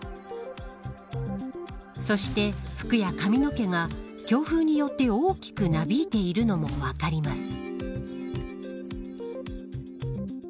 そして、服や髪の毛が強風によって大きくなびいているのも分かります。